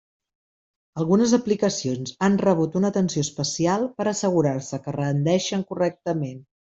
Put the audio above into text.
Algunes aplicacions han rebut una atenció especial per assegurar-se que rendeixen correctament.